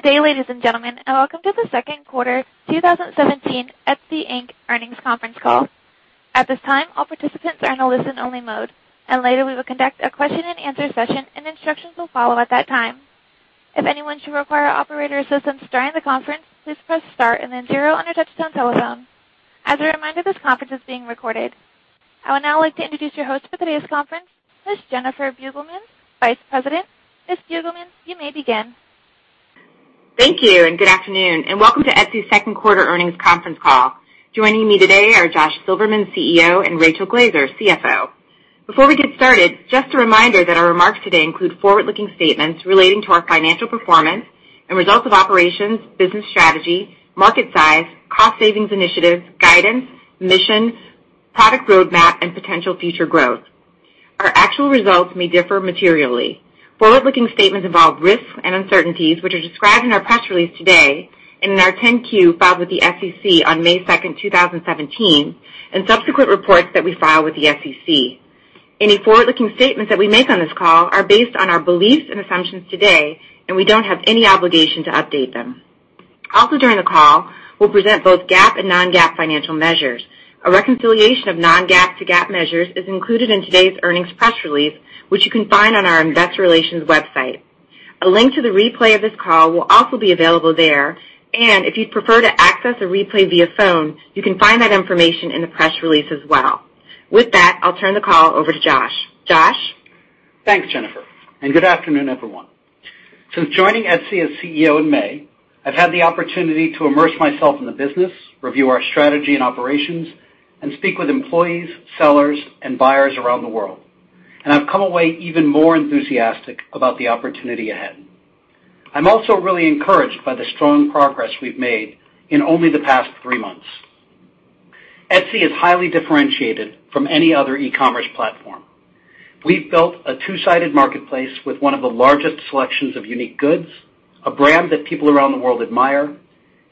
Good day, ladies and gentlemen, and welcome to the second quarter 2017 Etsy, Inc. earnings conference call. At this time, all participants are in a listen only mode. Later, we will conduct a question and answer session, and instructions will follow at that time. If anyone should require operator assistance during the conference, please press Star and then zero on your touch-tone telephone. As a reminder, this conference is being recorded. I would now like to introduce your host for today's conference, Ms. Jennifer Blevins, Vice President. Ms. Blevins, you may begin. Thank you. Good afternoon, and welcome to Etsy second quarter earnings conference call. Joining me today are Josh Silverman, CEO, and Rachel Glaser, CFO. Before we get started, just a reminder that our remarks today include forward-looking statements relating to our financial performance and results of operations, business strategy, market size, cost savings initiatives, guidance, mission, product roadmap, and potential future growth. Our actual results may differ materially. Forward-looking statements involve risks and uncertainties, which are described in our press release today and in our 10-Q filed with the SEC on May 2nd, 2017, and subsequent reports that we file with the SEC. Any forward-looking statements that we make on this call are based on our beliefs and assumptions today. We don't have any obligation to update them. Also during the call, we'll present both GAAP and non-GAAP financial measures. A reconciliation of non-GAAP to GAAP measures is included in today's earnings press release, which you can find on our investor relations website. A link to the replay of this call will also be available there. If you'd prefer to access a replay via phone, you can find that information in the press release as well. With that, I'll turn the call over to Josh. Josh? Thanks, Jennifer. Good afternoon, everyone. Since joining Etsy as CEO in May, I've had the opportunity to immerse myself in the business, review our strategy and operations, speak with employees, sellers, and buyers around the world. I've come away even more enthusiastic about the opportunity ahead. I'm also really encouraged by the strong progress we've made in only the past three months. Etsy is highly differentiated from any other e-commerce platform. We've built a two-sided marketplace with one of the largest selections of unique goods, a brand that people around the world admire,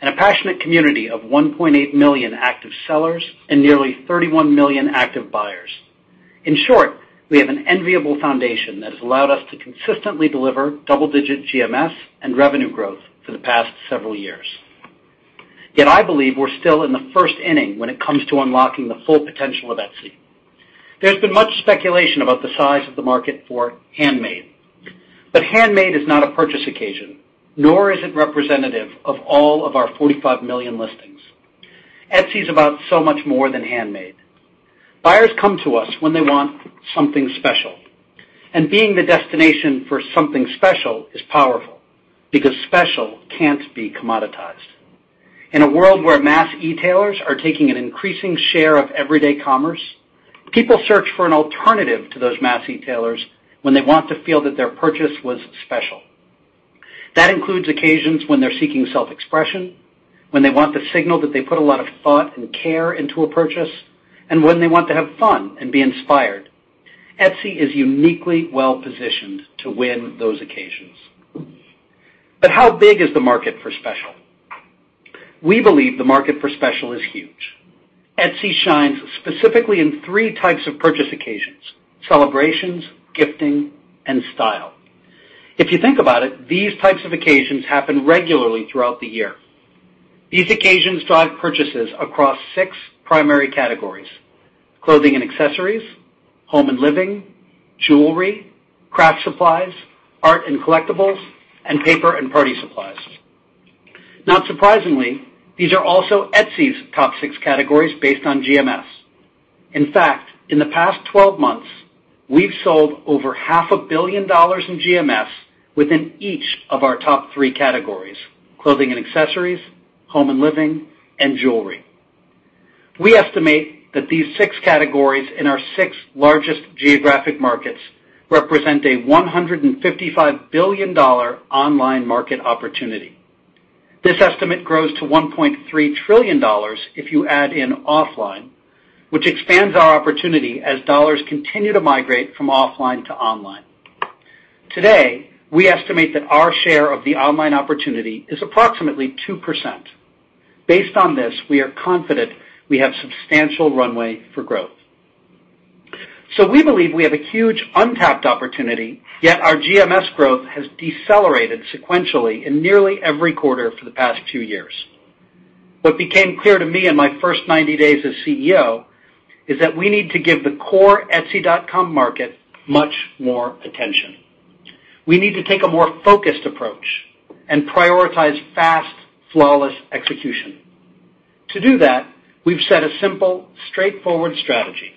a passionate community of 1.8 million active sellers and nearly 31 million active buyers. In short, we have an enviable foundation that has allowed us to consistently deliver double-digit GMS and revenue growth for the past several years. I believe we're still in the first inning when it comes to unlocking the full potential of Etsy. There's been much speculation about the size of the market for handmade. But handmade is not a purchase occasion, nor is it representative of all of our 45 million listings. Etsy is about so much more than handmade. Buyers come to us when they want something special. And being the destination for something special is powerful because special can't be commoditized. In a world where mass e-tailers are taking an increasing share of everyday commerce, people search for an alternative to those mass e-tailers when they want to feel that their purchase was special. That includes occasions when they're seeking self-expression, when they want the signal that they put a lot of thought and care into a purchase, and when they want to have fun and be inspired. Etsy is uniquely well-positioned to win those occasions. But how big is the market for special? We believe the market for special is huge. Etsy shines specifically in 3 types of purchase occasions, celebrations, gifting, and style. If you think about it, these types of occasions happen regularly throughout the year. These occasions drive purchases across 6 primary categories, clothing and accessories, home and living, jewelry, craft supplies, art and collectibles, and paper and party supplies. Not surprisingly, these are also Etsy's top 6 categories based on GMS. In fact, in the past 12 months, we've sold over half a billion dollars in GMS within each of our top 3 categories, clothing and accessories, home and living, and jewelry. We estimate that these 6 categories in our 6 largest geographic markets represent a $155 billion online market opportunity. This estimate grows to $1.3 trillion if you add in offline, which expands our opportunity as dollars continue to migrate from offline to online. Today, we estimate that our share of the online opportunity is approximately 2%. Based on this, we are confident we have substantial runway for growth. We believe we have a huge untapped opportunity, yet our GMS growth has decelerated sequentially in nearly every quarter for the past two years. What became clear to me in my first 90 days as CEO is that we need to give the core etsy.com market much more attention. We need to take a more focused approach and prioritize fast, flawless execution. To do that, we've set a simple, straightforward strategy.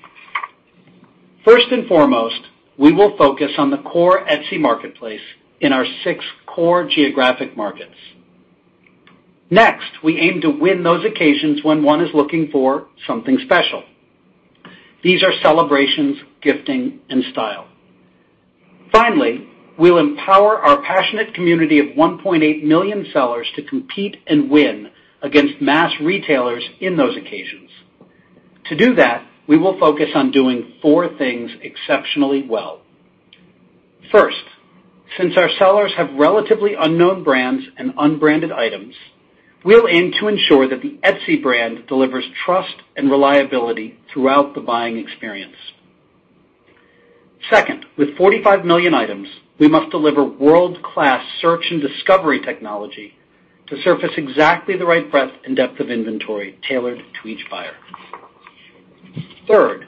First and foremost, we will focus on the core Etsy marketplace in our 6 core geographic markets. Next, we aim to win those occasions when one is looking for something special. These are celebrations, gifting, and style. Finally, we'll empower our passionate community of 1.8 million sellers to compete and win against mass retailers in those occasions. To do that, we will focus on doing 4 things exceptionally well. First, since our sellers have relatively unknown brands and unbranded items, we'll aim to ensure that the Etsy brand delivers trust and reliability throughout the buying experience. Second, with 45 million items, we must deliver world-class search and discovery technology to surface exactly the right breadth and depth of inventory tailored to each buyer. Third,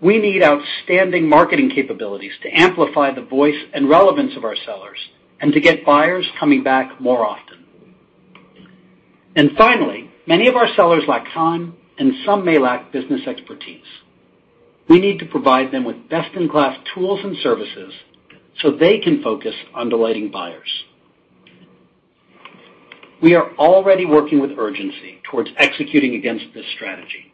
we need outstanding marketing capabilities to amplify the voice and relevance of our sellers and to get buyers coming back more often. And finally, many of our sellers lack time, and some may lack business expertise. We need to provide them with best-in-class tools and services so they can focus on delighting buyers. We are already working with urgency towards executing against this strategy.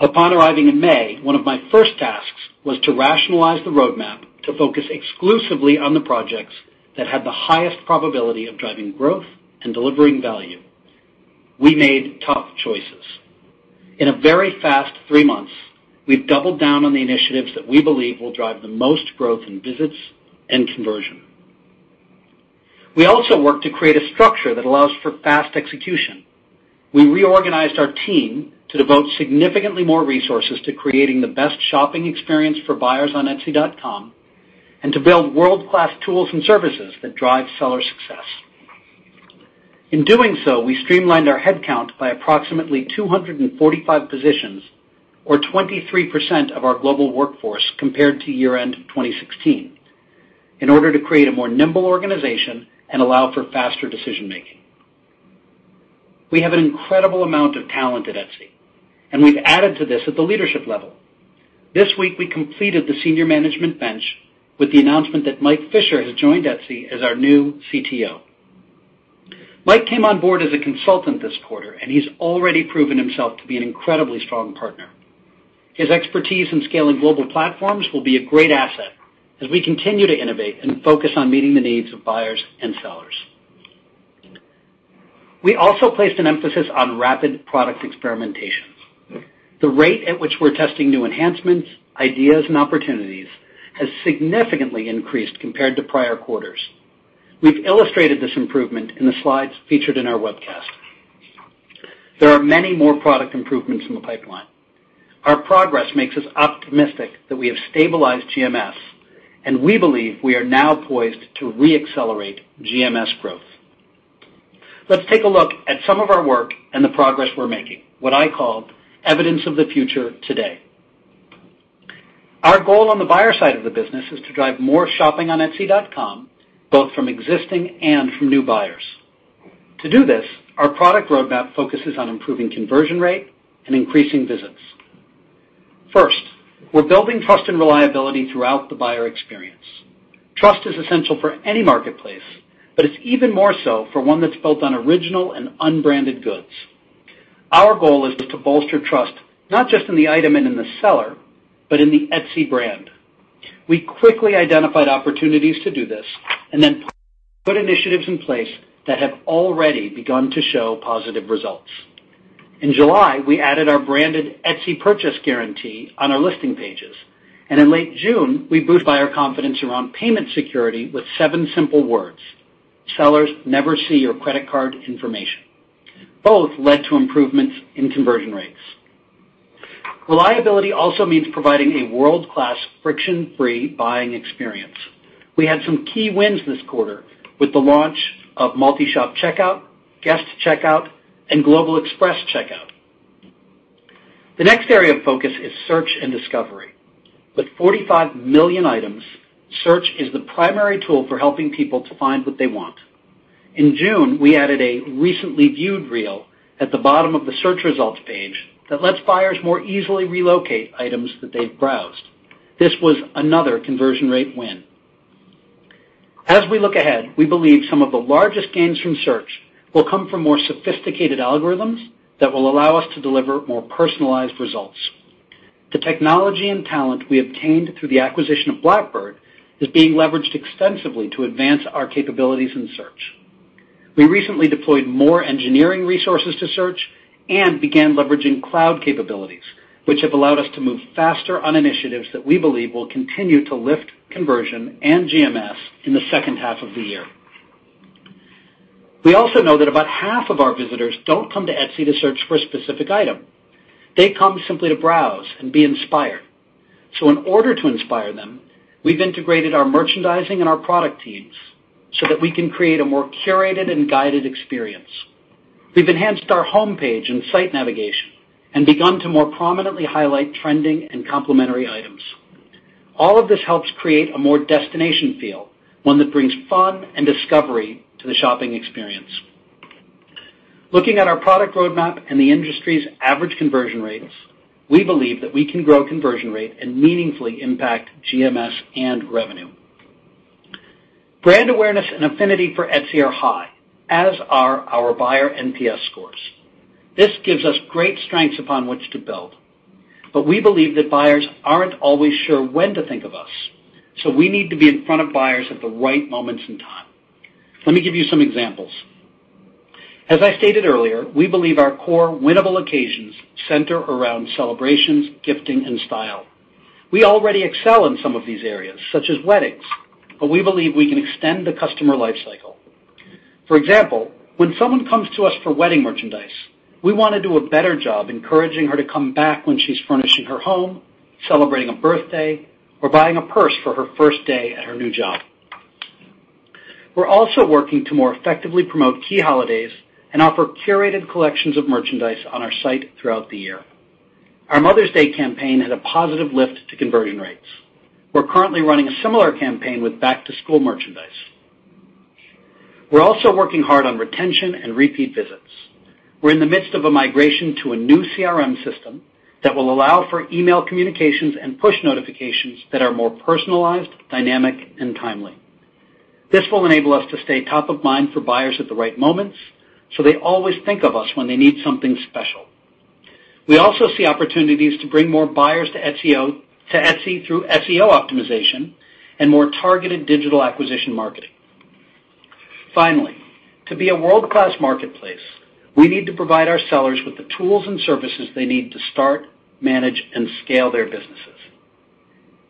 Upon arriving in May, one of my first tasks was to rationalize the roadmap to focus exclusively on the projects that had the highest probability of driving growth and delivering value. We made tough choices. In a very fast 3 months, we've doubled down on the initiatives that we believe will drive the most growth in visits and conversion. We also worked to create a structure that allows for fast execution. We reorganized our team to devote significantly more resources to creating the best shopping experience for buyers on etsy.com and to build world-class tools and services that drive seller success. In doing so, we streamlined our headcount by approximately 245 positions, or 23% of our global workforce compared to year-end 2016, in order to create a more nimble organization and allow for faster decision-making. We have an incredible amount of talent at Etsy, and we've added to this at the leadership level. This week, we completed the senior management bench with the announcement that Mike Fisher has joined Etsy as our new CTO. Mike came on board as a consultant this quarter, and he's already proven himself to be an incredibly strong partner. His expertise in scaling global platforms will be a great asset as we continue to innovate and focus on meeting the needs of buyers and sellers. We also placed an emphasis on rapid product experimentations. The rate at which we're testing new enhancements, ideas, and opportunities has significantly increased compared to prior quarters. We've illustrated this improvement in the slides featured in our webcast. There are many more product improvements in the pipeline. Our progress makes us optimistic that we have stabilized GMS, and we believe we are now poised to re-accelerate GMS growth. Let's take a look at some of our work and the progress we're making, what I call evidence of the future today. Our goal on the buyer side of the business is to drive more shopping on etsy.com, both from existing and from new buyers. To do this, our product roadmap focuses on improving conversion rate and increasing visits. First, we're building trust and reliability throughout the buyer experience. Trust is essential for any marketplace, but it's even more so for one that's built on original and unbranded goods. Our goal is to bolster trust, not just in the item and in the seller, but in the Etsy brand. We quickly identified opportunities to do this and then put initiatives in place that have already begun to show positive results. In July, we added our branded Etsy purchase guarantee on our listing pages, and in late June, we boosted buyer confidence around payment security with 7 simple words: sellers never see your credit card information. Both led to improvements in conversion rates. Reliability also means providing a world-class, friction-free buying experience. We had some key wins this quarter with the launch of multi-shop checkout, guest checkout, and global express checkout. The next area of focus is search and discovery. With 45 million items, search is the primary tool for helping people to find what they want. In June, we added a recently viewed reel at the bottom of the search results page that lets buyers more easily relocate items that they've browsed. This was another conversion rate win. As we look ahead, we believe some of the largest gains from search will come from more sophisticated algorithms that will allow us to deliver more personalized results. The technology and talent we obtained through the acquisition of Blackbird is being leveraged extensively to advance our capabilities in search. We recently deployed more engineering resources to search and began leveraging cloud capabilities, which have allowed us to move faster on initiatives that we believe will continue to lift conversion and GMS in the second half of the year. We also know that about half of our visitors don't come to Etsy to search for a specific item. They come simply to browse and be inspired. In order to inspire them, we've integrated our merchandising and our product teams so that we can create a more curated and guided experience. We've enhanced our homepage and site navigation and begun to more prominently highlight trending and complementary items. All of this helps create a more destination feel, one that brings fun and discovery to the shopping experience. Looking at our product roadmap and the industry's average conversion rates, we believe that we can grow conversion rate and meaningfully impact GMS and revenue. Brand awareness and affinity for Etsy are high, as are our buyer NPS scores. This gives us great strengths upon which to build. We believe that buyers aren't always sure when to think of us, so we need to be in front of buyers at the right moments in time. Let me give you some examples. As I stated earlier, we believe our core winnable occasions center around celebrations, gifting, and style. We already excel in some of these areas, such as weddings, we believe we can extend the customer life cycle. For example, when someone comes to us for wedding merchandise, we want to do a better job encouraging her to come back when she's furnishing her home, celebrating a birthday, or buying a purse for her first day at her new job. We're also working to more effectively promote key holidays and offer curated collections of merchandise on our site throughout the year. Our Mother's Day campaign had a positive lift to conversion rates. We're currently running a similar campaign with back-to-school merchandise. We're also working hard on retention and repeat visits. We're in the midst of a migration to a new CRM system that will allow for email communications and push notifications that are more personalized, dynamic, and timely. This will enable us to stay top of mind for buyers at the right moments, they always think of us when they need something special. We also see opportunities to bring more buyers to Etsy through SEO optimization and more targeted digital acquisition marketing. Finally, to be a world-class marketplace, we need to provide our sellers with the tools and services they need to start, manage, and scale their businesses.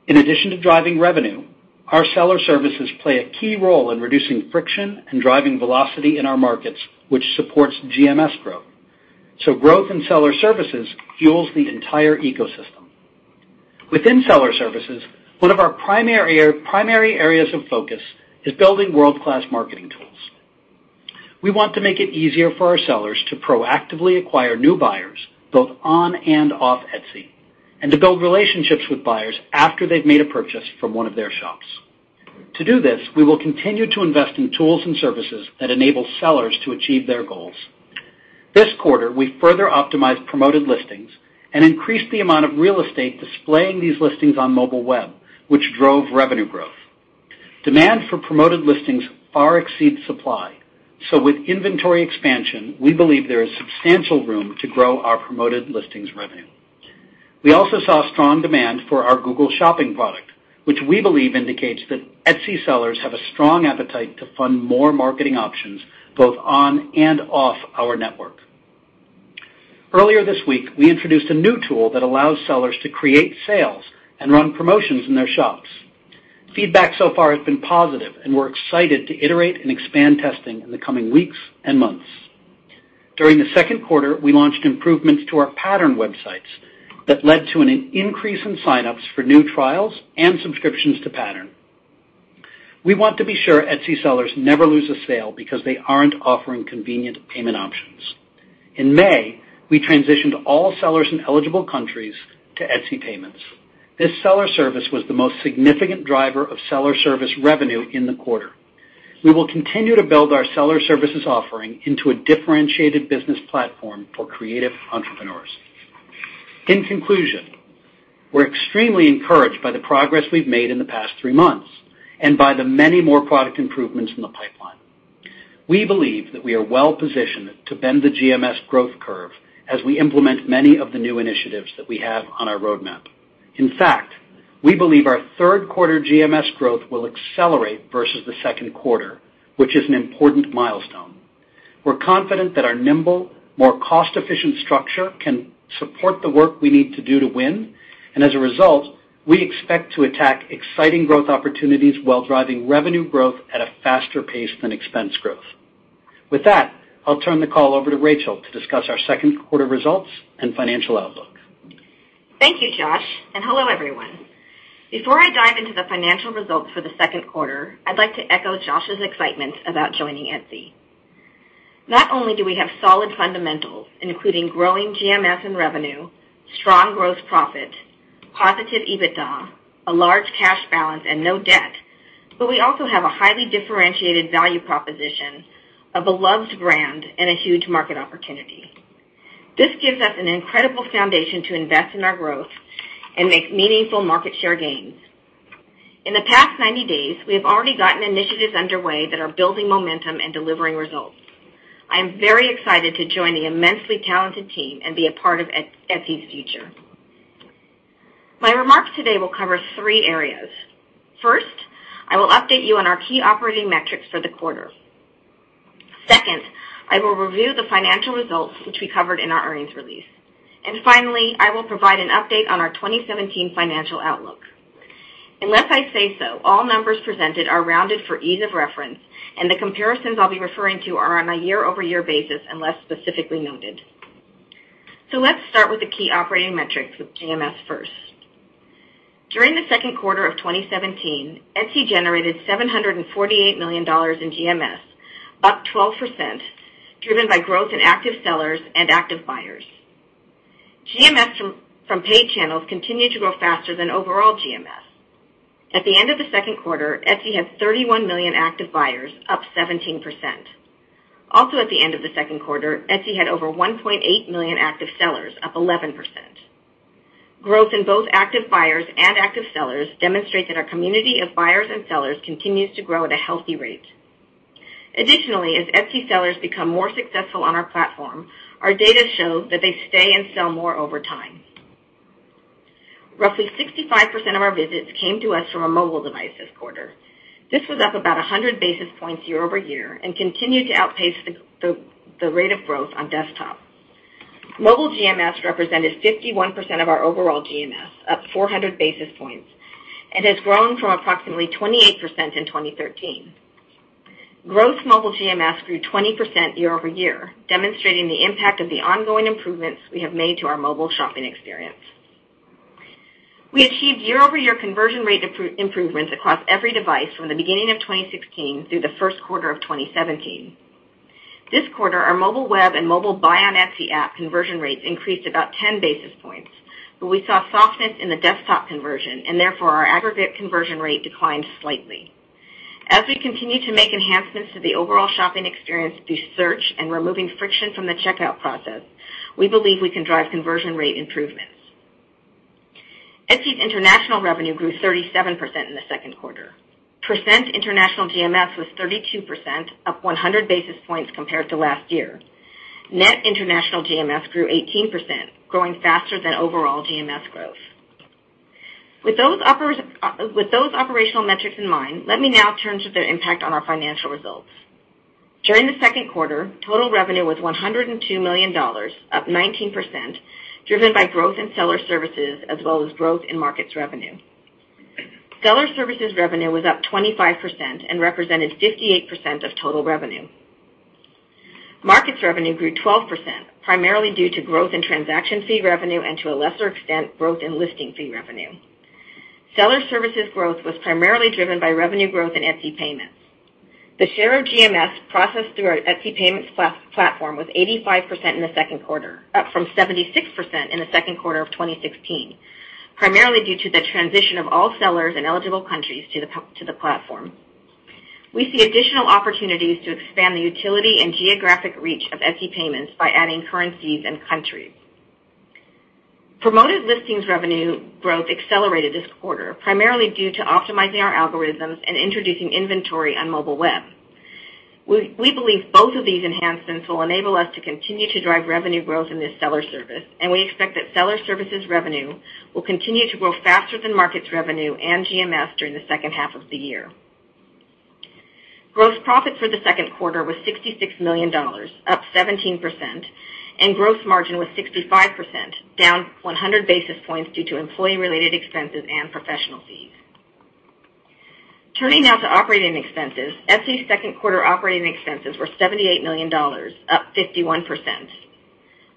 In addition to driving revenue, our seller services play a key role in reducing friction and driving velocity in our markets, which supports GMS growth. Growth in seller services fuels the entire ecosystem. Within seller services, one of our primary areas of focus is building world-class marketing tools. We want to make it easier for our sellers to proactively acquire new buyers, both on and off Etsy, and to build relationships with buyers after they've made a purchase from one of their shops. To do this, we will continue to invest in tools and services that enable sellers to achieve their goals. This quarter, we further optimized Promoted Listings and increased the amount of real estate displaying these listings on mobile web, which drove revenue growth. Demand for Promoted Listings far exceeds supply. With inventory expansion, we believe there is substantial room to grow our Promoted Listings revenue. We also saw strong demand for our Google Shopping product, which we believe indicates that Etsy sellers have a strong appetite to fund more marketing options both on and off our network. Earlier this week, we introduced a new tool that allows sellers to create sales and run promotions in their shops. Feedback so far has been positive. We're excited to iterate and expand testing in the coming weeks and months. During the second quarter, we launched improvements to our Pattern websites that led to an increase in signups for new trials and subscriptions to Pattern. We want to be sure Etsy sellers never lose a sale because they aren't offering convenient payment options. In May, we transitioned all sellers in eligible countries to Etsy Payments. This seller service was the most significant driver of seller service revenue in the quarter. We will continue to build our seller services offering into a differentiated business platform for creative entrepreneurs. In conclusion, we're extremely encouraged by the progress we've made in the past three months and by the many more product improvements in the pipeline. We believe that we are well-positioned to bend the GMS growth curve as we implement many of the new initiatives that we have on our roadmap. In fact, we believe our third quarter GMS growth will accelerate versus the second quarter, which is an important milestone. We're confident that our nimble, more cost-efficient structure can support the work we need to do to win. As a result, we expect to attack exciting growth opportunities while driving revenue growth at a faster pace than expense growth. With that, I'll turn the call over to Rachel to discuss our second quarter results and financial outlook. Thank you, Josh, and hello, everyone. Before I dive into the financial results for the second quarter, I'd like to echo Josh's excitement about joining Etsy. Not only do we have solid fundamentals, including growing GMS and revenue, strong gross profit, positive EBITDA, a large cash balance, and no debt, but we also have a highly differentiated value proposition, a beloved brand, and a huge market opportunity. This gives us an incredible foundation to invest in our growth and make meaningful market share gains. In the past 90 days, we have already gotten initiatives underway that are building momentum and delivering results. I am very excited to join the immensely talented team and be a part of Etsy's future. My remarks today will cover three areas. First, I will update you on our key operating metrics for the quarter. Second, I will review the financial results, which we covered in our earnings release. Finally, I will provide an update on our 2017 financial outlook. Unless I say so, all numbers presented are rounded for ease of reference, and the comparisons I will be referring to are on a year-over-year basis, unless specifically noted. Let's start with the key operating metrics with GMS first. During the second quarter of 2017, Etsy generated $748 million in GMS, up 12%, driven by growth in active sellers and active buyers. GMS from paid channels continued to grow faster than overall GMS. At the end of the second quarter, Etsy had 31 million active buyers, up 17%. Also, at the end of the second quarter, Etsy had over 1.8 million active sellers, up 11%. Growth in both active buyers and active sellers demonstrates that our community of buyers and sellers continues to grow at a healthy rate. Additionally, as Etsy sellers become more successful on our platform, our data show that they stay and sell more over time. Roughly 65% of our visits came to us from a mobile device this quarter. This was up about 100 basis points year-over-year and continued to outpace the rate of growth on desktop. Mobile GMS represented 51% of our overall GMS, up 400 basis points, and has grown from approximately 28% in 2013. Gross mobile GMS grew 20% year-over-year, demonstrating the impact of the ongoing improvements we have made to our mobile shopping experience. We achieved year-over-year conversion rate improvements across every device from the beginning of 2016 through the first quarter of 2017. This quarter, our mobile web and mobile Buy on Etsy app conversion rates increased about 10 basis points, we saw softness in the desktop conversion, therefore, our aggregate conversion rate declined slightly. As we continue to make enhancements to the overall shopping experience through search and removing friction from the checkout process, we believe we can drive conversion rate improvements. Etsy's international revenue grew 37% in the second quarter. Percent international GMS was 32%, up 100 basis points compared to last year. Net international GMS grew 18%, growing faster than overall GMS growth. With those operational metrics in mind, let me now turn to their impact on our financial results. During the second quarter, total revenue was $102 million, up 19%, driven by growth in seller services as well as growth in markets revenue. Seller services revenue was up 25% and represented 58% of total revenue. Markets revenue grew 12%, primarily due to growth in transaction fee revenue and, to a lesser extent, growth in listing fee revenue. Seller services growth was primarily driven by revenue growth in Etsy Payments. The share of GMS processed through our Etsy Payments platform was 85% in the second quarter, up from 76% in the second quarter of 2016, primarily due to the transition of all sellers in eligible countries to the platform. We see additional opportunities to expand the utility and geographic reach of Etsy Payments by adding currencies and countries. Promoted Listings revenue growth accelerated this quarter, primarily due to optimizing our algorithms and introducing inventory on mobile web. We believe both of these enhancements will enable us to continue to drive revenue growth in this seller service, and we expect that seller services revenue will continue to grow faster than markets revenue and GMS during the second half of the year. Gross profit for the second quarter was $66 million, up 17%, and gross margin was 65%, down 100 basis points due to employee-related expenses and professional fees. Turning now to operating expenses. Etsy's second quarter operating expenses were $78 million, up 51%.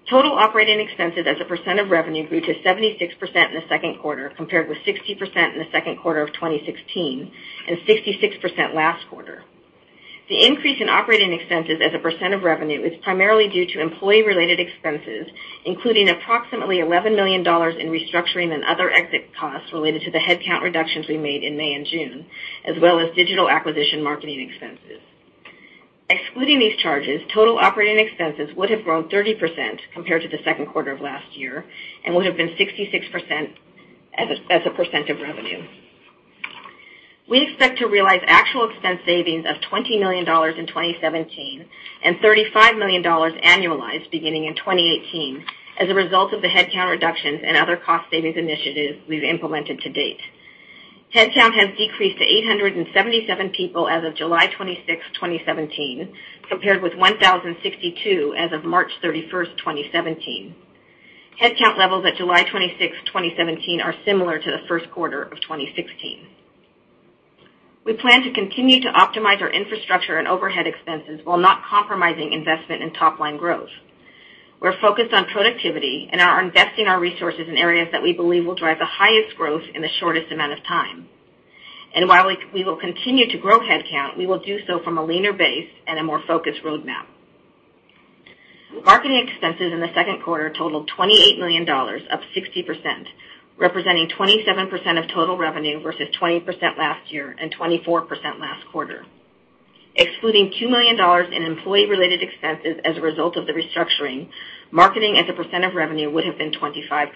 Total operating expenses as a percent of revenue grew to 76% in the second quarter, compared with 60% in the second quarter of 2016 and 66% last quarter. The increase in operating expenses as a percent of revenue is primarily due to employee-related expenses, including approximately $11 million in restructuring and other exit costs related to the headcount reductions we made in May and June, as well as digital acquisition marketing expenses. Excluding these charges, total operating expenses would have grown 30% compared to the second quarter of last year and would have been 66% as a percent of revenue. We expect to realize actual expense savings of $20 million in 2017 and $35 million annualized beginning in 2018 as a result of the headcount reductions and other cost savings initiatives we've implemented to date. Headcount has decreased to 877 people as of July 26th, 2017, compared with 1,062 as of March 31st, 2017. Headcount levels at July 26th, 2017, are similar to the first quarter of 2016. We plan to continue to optimize our infrastructure and overhead expenses while not compromising investment in top-line growth. We're focused on productivity and are investing our resources in areas that we believe will drive the highest growth in the shortest amount of time. While we will continue to grow headcount, we will do so from a leaner base and a more focused roadmap. Marketing expenses in the second quarter totaled $28 million, up 60%, representing 27% of total revenue versus 20% last year and 24% last quarter. Excluding $2 million in employee-related expenses as a result of the restructuring, marketing as a percent of revenue would have been 25%.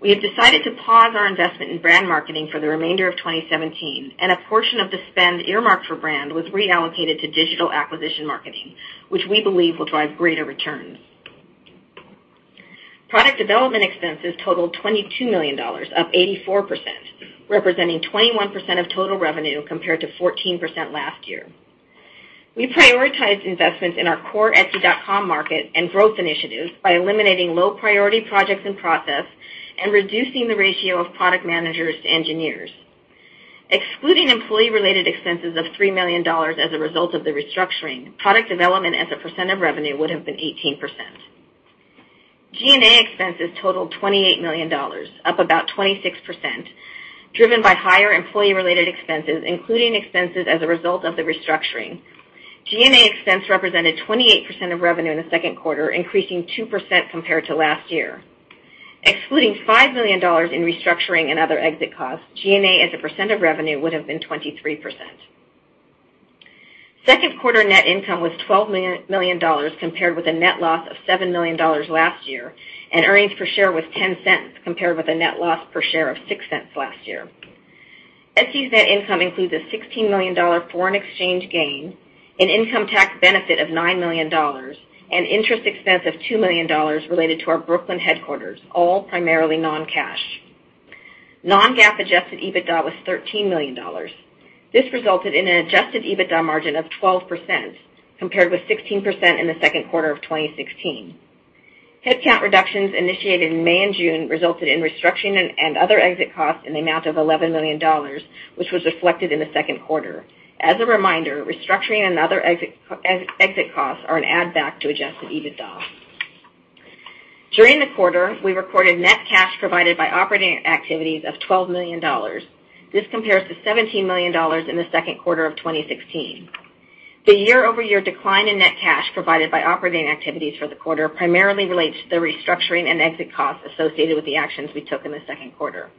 We have decided to pause our investment in brand marketing for the remainder of 2017, and a portion of the spend earmarked for brand was reallocated to digital acquisition marketing, which we believe will drive greater returns. Product development expenses totaled $22 million, up 84%, representing 21% of total revenue, compared to 14% last year. We prioritized investments in our core etsy.com market and growth initiatives by eliminating low-priority projects in process and reducing the ratio of product managers to engineers. Excluding employee-related expenses of $3 million as a result of the restructuring, product development as a percent of revenue would have been 18%. G&A expenses totaled $28 million, up about 26%, driven by higher employee-related expenses, including expenses as a result of the restructuring. G&A expense represented 28% of revenue in the second quarter, increasing 2% compared to last year. Excluding $5 million in restructuring and other exit costs, G&A as a percent of revenue would have been 23%. Second quarter net income was $12 million, compared with a net loss of $7 million last year. Earnings per share was $0.10, compared with a net loss per share of $0.06 last year. Etsy's net income includes a $16 million foreign exchange gain, an income tax benefit of $9 million, and interest expense of $2 million related to our Brooklyn headquarters, all primarily non-cash. Non-GAAP adjusted EBITDA was $13 million. This resulted in an adjusted EBITDA margin of 12%, compared with 16% in the second quarter of 2016. Headcount reductions initiated in May and June resulted in restructuring and other exit costs in the amount of $11 million, which was reflected in the second quarter. As a reminder, restructuring and other exit costs are an add back to adjusted EBITDA. During the quarter, we recorded net cash provided by operating activities of $12 million. This compares to $17 million in the second quarter of 2016. The year-over-year decline in net cash provided by operating activities for the quarter primarily relates to the restructuring and exit costs associated with the actions we took in the second quarter.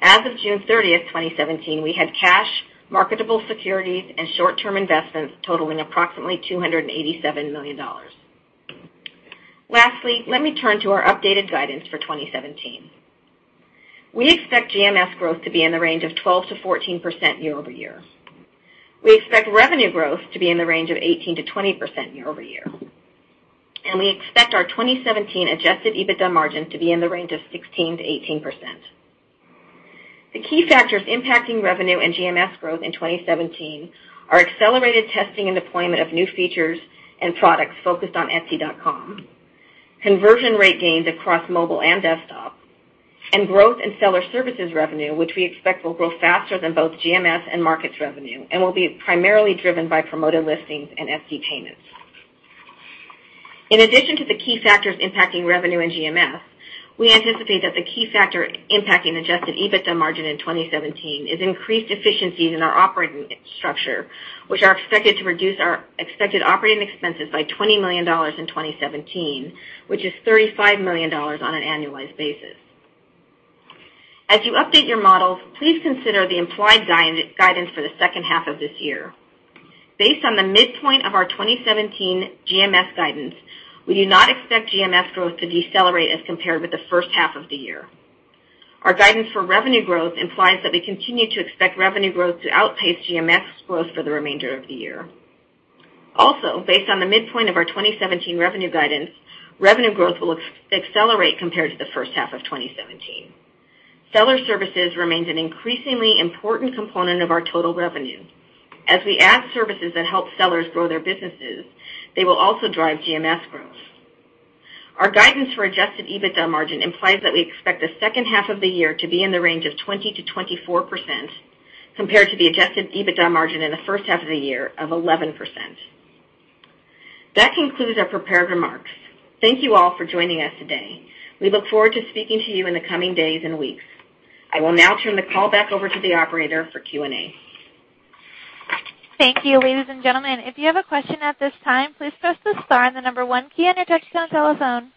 As of June 30th, 2017, we had cash, marketable securities, and short-term investments totaling approximately $287 million. Lastly, let me turn to our updated guidance for 2017. We expect GMS growth to be in the range of 12%-14% year-over-year. We expect revenue growth to be in the range of 18%-20% year-over-year. We expect our 2017 adjusted EBITDA margin to be in the range of 16%-18%. The key factors impacting revenue and GMS growth in 2017 are accelerated testing and deployment of new features and products focused on etsy.com, conversion rate gains across mobile and desktop, and growth in seller services revenue, which we expect will grow faster than both GMS and markets revenue and will be primarily driven by Promoted Listings and Etsy Payments. In addition to the key factors impacting revenue and GMS, we anticipate that the key factor impacting adjusted EBITDA margin in 2017 is increased efficiencies in our operating structure, which are expected to reduce our expected operating expenses by $20 million in 2017, which is $35 million on an annualized basis. As you update your models, please consider the implied guidance for the second half of this year. Based on the midpoint of our 2017 GMS guidance, we do not expect GMS growth to decelerate as compared with the first half of the year. Our guidance for revenue growth implies that we continue to expect revenue growth to outpace GMS growth for the remainder of the year. Based on the midpoint of our 2017 revenue guidance, revenue growth will accelerate compared to the first half of 2017. Seller services remains an increasingly important component of our total revenue. As we add services that help sellers grow their businesses, they will also drive GMS growth. Our guidance for adjusted EBITDA margin implies that we expect the second half of the year to be in the range of 20%-24%, compared to the adjusted EBITDA margin in the first half of the year of 11%. That concludes our prepared remarks. Thank you all for joining us today. We look forward to speaking to you in the coming days and weeks. I will now turn the call back over to the operator for Q&A. Thank you, ladies and gentlemen. If you have a question at this time, please press the star and the number 1 key on your touchtone telephone.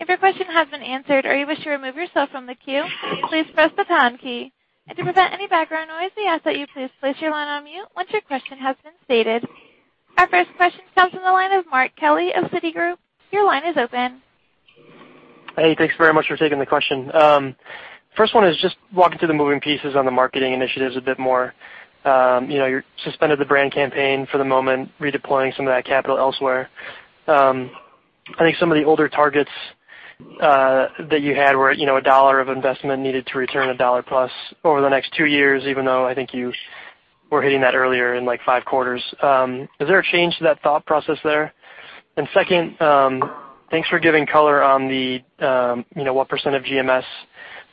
If your question has been answered or you wish to remove yourself from the queue, please press the pound key. To prevent any background noise, we ask that you please place your line on mute once your question has been stated. Our first question comes from the line of Mark Mahaney of Citigroup. Your line is open. Hey, thanks very much for taking the question. First one is just walking through the moving pieces on the marketing initiatives a bit more. You suspended the brand campaign for the moment, redeploying some of that capital elsewhere. I think some of the older targets that you had were a $1 of investment needed to return a $1 plus over the next two years, even though I think you were hitting that earlier in, like, five quarters. Is there a change to that thought process there? Second, thanks for giving color on what % of GMS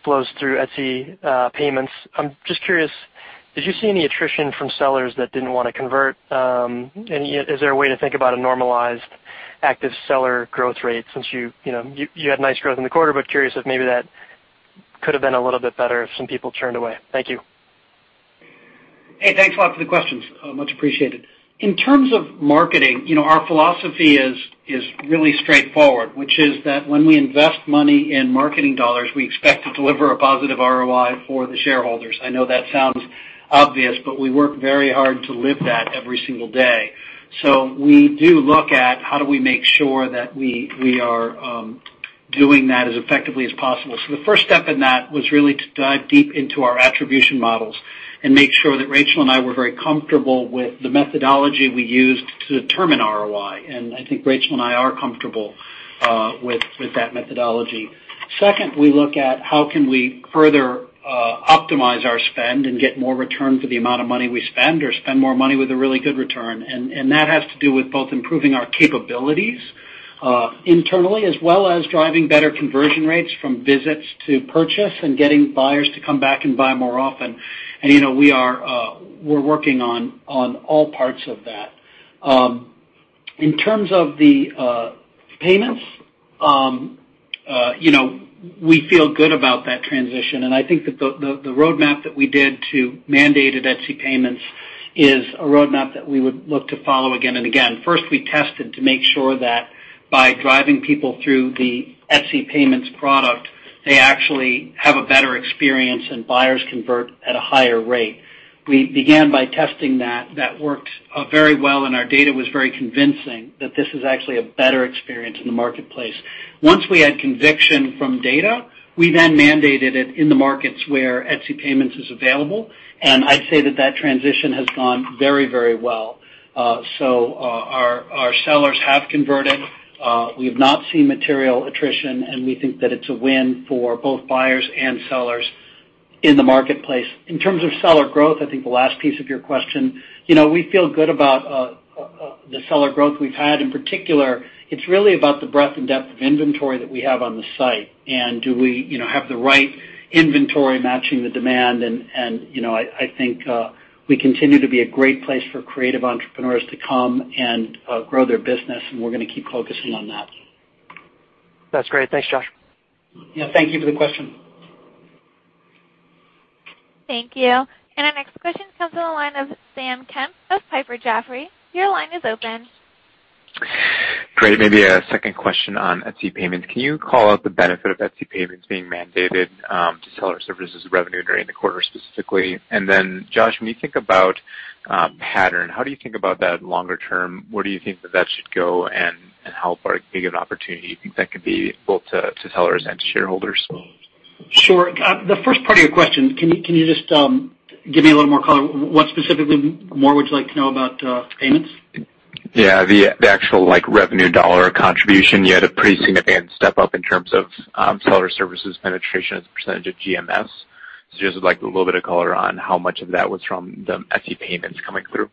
flows through Etsy Payments. I'm just curious, did you see any attrition from sellers that didn't want to convert? Is there a way to think about a normalized active seller growth rate since you had nice growth in the quarter, but curious if maybe that could have been a little bit better if some people churned away. Thank you. Hey, thanks a lot for the questions. Much appreciated. In terms of marketing, our philosophy is really straightforward, which is that when we invest money in marketing dollars, we expect to deliver a positive ROI for the shareholders. I know that sounds obvious, but we work very hard to live that every single day. We do look at how do we make sure that we are doing that as effectively as possible. The first step in that was really to dive deep into our attribution models and make sure that Rachel and I were very comfortable with the methodology we used to determine ROI, and I think Rachel and I are comfortable with that methodology. Second, we look at how can we further optimize our spend and get more return for the amount of money we spend or spend more money with a really good return. That has to do with both improving our capabilities internally, as well as driving better conversion rates from visits to purchase and getting buyers to come back and buy more often. We're working on all parts of that. In terms of the payments, we feel good about that transition, and I think that the roadmap that we did to mandated Etsy Payments is a roadmap that we would look to follow again and again. First, we tested to make sure that by driving people through the Etsy Payments product, they actually have a better experience and buyers convert at a higher rate. We began by testing that. That worked very well, and our data was very convincing that this is actually a better experience in the marketplace. Once we had conviction from data, we then mandated it in the markets where Etsy Payments is available, and I'd say that that transition has gone very well. Our sellers have converted. We have not seen material attrition, and we think that it's a win for both buyers and sellers in the marketplace. In terms of seller growth, I think the last piece of your question, we feel good about the seller growth we've had. In particular, it's really about the breadth and depth of inventory that we have on the site, and do we have the right inventory matching the demand. I think we continue to be a great place for creative entrepreneurs to come and grow their business, and we're going to keep focusing on that. That's great. Thanks, Josh. Yeah. Thank you for the question. Thank you. Our next question comes on the line of Samuel Kemp of Piper Jaffray. Your line is open. Great. Maybe a second question on Etsy Payments. Can you call out the benefit of Etsy Payments being mandated to seller services revenue during the quarter specifically? Then Josh, when you think about Pattern, how do you think about that longer term? Where do you think that should go and how big of an opportunity do you think that could be both to sellers and to shareholders? Sure. The first part of your question, can you just give me a little more color? What specifically more would you like to know about payments? Yeah, the actual revenue dollar contribution. You had a pretty significant step up in terms of seller services penetration as a percentage of GMS. Just would like a little bit of color on how much of that was from the Etsy Payments coming through.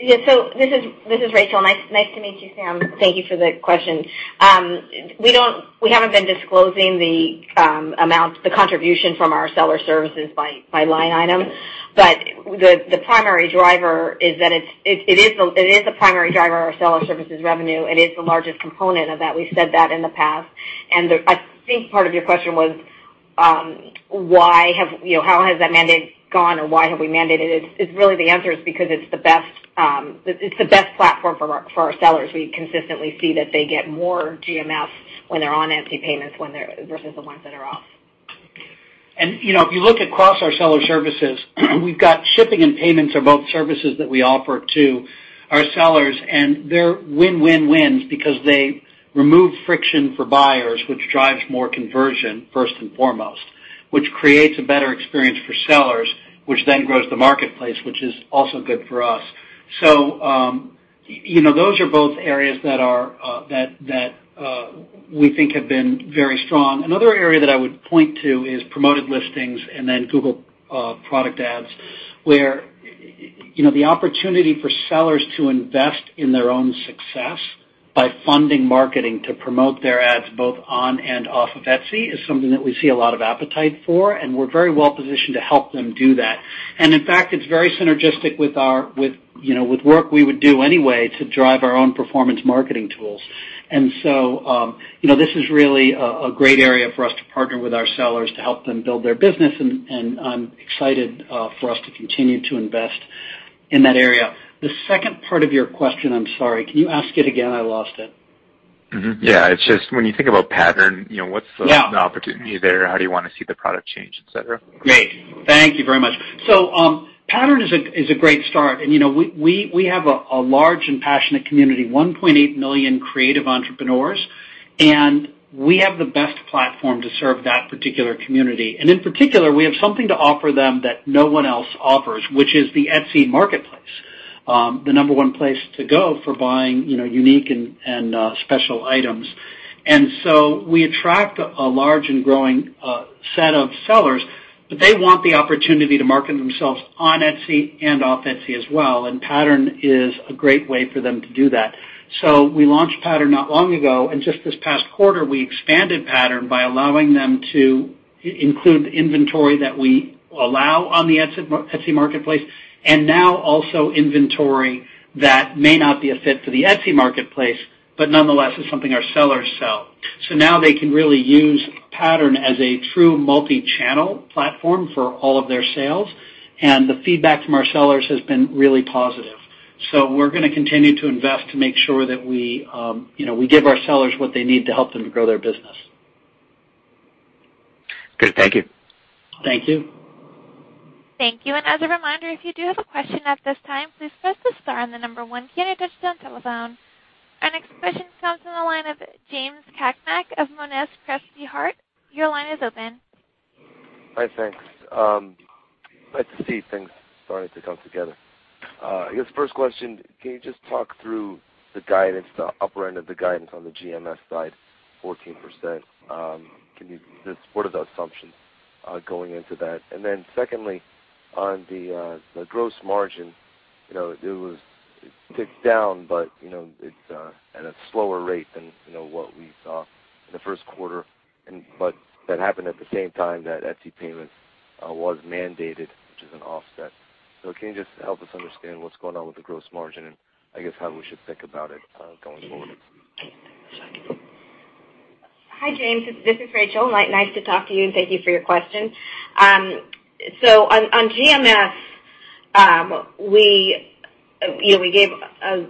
Yeah. This is Rachel. Nice to meet you, Sam. Thank you for the question. We haven't been disclosing the contribution from our seller services by line item, but it is a primary driver of our seller services revenue, and it's the largest component of that. We've said that in the past. I think part of your question was how has that mandate gone or why have we mandated it. It's really the answer is because it's the best platform for our sellers. We consistently see that they get more GMS when they're on Etsy Payments versus the ones that are off. If you look across our seller services, we've got shipping and payments are both services that we offer to our sellers, and they're win-win-wins because they remove friction for buyers, which drives more conversion first and foremost, which creates a better experience for sellers, which then grows the marketplace, which is also good for us. Those are both areas that we think have been very strong. Another area that I would point to is Promoted Listings and then Google product ads, where the opportunity for sellers to invest in their own success by funding marketing to promote their ads both on and off of Etsy is something that we see a lot of appetite for, and we're very well positioned to help them do that. In fact, it's very synergistic with work we would do anyway to drive our own performance marketing tools. This is really a great area for us to partner with our sellers to help them build their business, and I'm excited for us to continue to invest in that area. The second part of your question, I'm sorry, can you ask it again? I lost it. Mm-hmm. Yeah. It's just when you think about Pattern, what's the opportunity there? How do you want to see the product change, et cetera? Great. Thank you very much. Pattern is a great start, and we have a large and passionate community, 1.8 million creative entrepreneurs, and we have the best platform to serve that particular community. In particular, we have something to offer them that no one else offers, which is the Etsy marketplace, the number one place to go for buying unique and special items. We attract a large and growing set of sellers, but they want the opportunity to market themselves on Etsy and off Etsy as well, and Pattern is a great way for them to do that. We launched Pattern not long ago, and just this past quarter, we expanded Pattern by allowing them to include inventory that we allow on the Etsy marketplace, and now also inventory that may not be a fit for the Etsy marketplace, but nonetheless is something our sellers sell. Now they can really use Pattern as a true multi-channel platform for all of their sales, and the feedback from our sellers has been really positive. We're going to continue to invest to make sure that we give our sellers what they need to help them to grow their business. Good. Thank you. Thank you. Thank you. As a reminder, if you do have a question at this time, please press the star and the number 1 key on your touchtone telephone. Our next question comes on the line of James Cakmak of Monness, Crespi, Hardt. Your line is open. Hi, thanks. Glad to see things starting to come together. I guess first question, can you just talk through the guidance, the upper end of the guidance on the GMS side, 14%? What are the assumptions going into that? Then secondly, on the gross margin, it ticked down, but at a slower rate than what we saw in the first quarter, but that happened at the same time that Etsy Payments was mandated, which is an offset. Can you just help us understand what's going on with the gross margin, and I guess how we should think about it going forward? Hi, James. This is Rachel. Nice to talk to you, thank you for your question. On GMS, we gave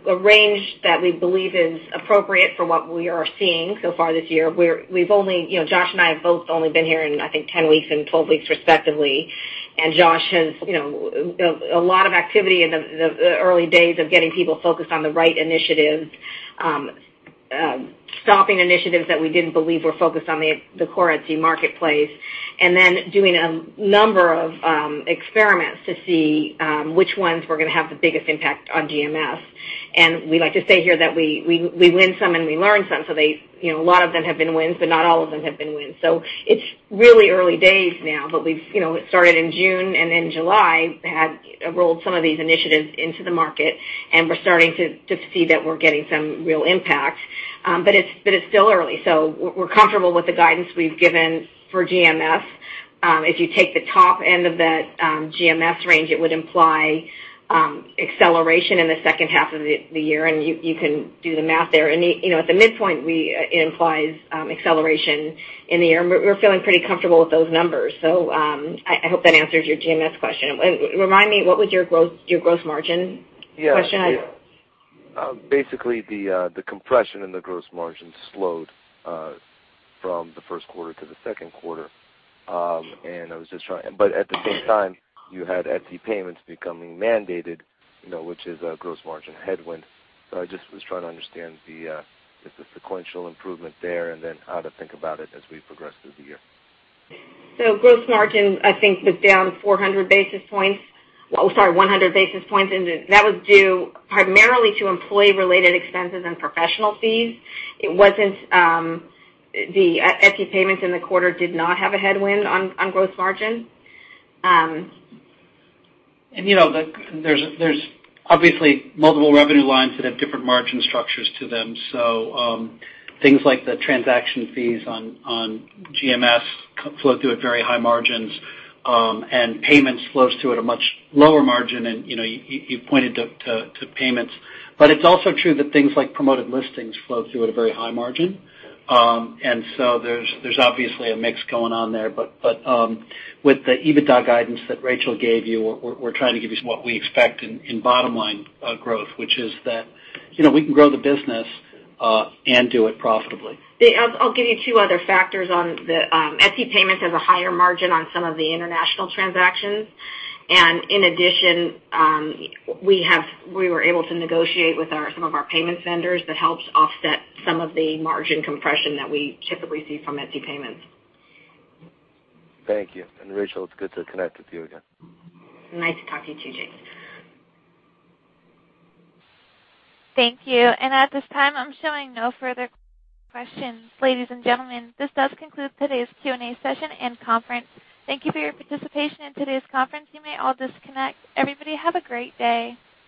a range that we believe is appropriate for what we are seeing so far this year. Josh and I have both only been here, I think 10 weeks and 12 weeks respectively. Josh has a lot of activity in the early days of getting people focused on the right initiatives. Stopping initiatives that we didn't believe were focused on the core Etsy marketplace, doing a number of experiments to see which ones were going to have the biggest impact on GMS. We like to say here that we win some and we learn some. A lot of them have been wins, but not all of them have been wins. It's really early days now, but it started in June, in July, had rolled some of these initiatives into the market, and we're starting to see that we're getting some real impact. But it's still early, we're comfortable with the guidance we've given for GMS. If you take the top end of that GMS range, it would imply acceleration in the second half of the year, you can do the math there. At the midpoint, it implies acceleration in the year, we're feeling pretty comfortable with those numbers. I hope that answers your GMS question. Remind me, what was your gross margin question? Yeah. Basically, the compression in the gross margin slowed from the first quarter to the second quarter. But at the same time, you had Etsy Payments becoming mandated, which is a gross margin headwind. I just was trying to understand the sequential improvement there how to think about it as we progress through the year. Gross margin, I think, was down 400 basis points. 100 basis points, that was due primarily to employee-related expenses and professional fees. The Etsy Payments in the quarter did not have a headwind on gross margin. There's obviously multiple revenue lines that have different margin structures to them. Things like the transaction fees on GMS flow through at very high margins, Payments flows through at a much lower margin, and you pointed to Payments. It's also true that things like Promoted Listings flow through at a very high margin. There's obviously a mix going on there. With the EBITDA guidance that Rachel gave you, we're trying to give you what we expect in bottom-line growth, which is that we can grow the business and do it profitably. I'll give you two other factors. Etsy Payments has a higher margin on some of the international transactions. In addition, we were able to negotiate with some of our payments vendors. That helps offset some of the margin compression that we typically see from Etsy Payments. Thank you. Rachel, it's good to connect with you again. Nice to talk to you, too, James. Thank you. At this time, I'm showing no further questions. Ladies and gentlemen, this does conclude today's Q&A session and conference. Thank you for your participation in today's conference. You may all disconnect. Everybody have a great day.